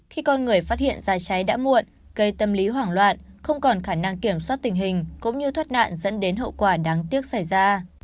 khi con người phát hiện ra cháy đã muộn gây tâm lý hoảng loạn không còn khả năng kiểm soát tình hình cũng như thoát nạn dẫn đến hậu quả đáng tiếc xảy ra